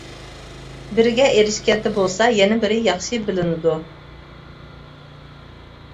بىرىگە ئېرىشكەندە بولسا، يەنە بىرى ياخشى بىلىنىدۇ.